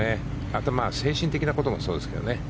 あと、精神的なこともそうですけどね。